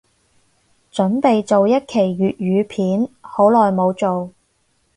凖備做新一期粤語片，好耐無做